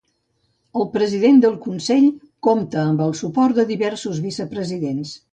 El president del consell compta amb el suport de diversos vicepresidents.